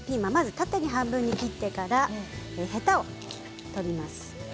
縦に半分に切ってからヘタを取ります。